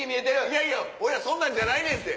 いやいや俺らそんなんじゃないねんって。